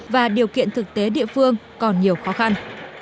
và điều kiện thực tế địa phương còn nhiều khó khăn